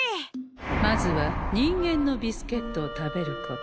まずは人間のビスケットを食べること。